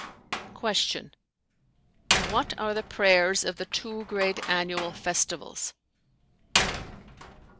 Q "What are the prayers of the two great annual Festivals?"